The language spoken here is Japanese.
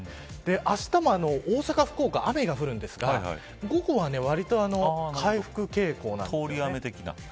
あしたも大阪福岡、雨が降るんですが午後はわりと回復傾向なんです。